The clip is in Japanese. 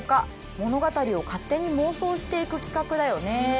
物語を勝手に妄想していく企画だよね。